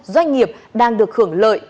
doanh nghiệp đang được hưởng lợi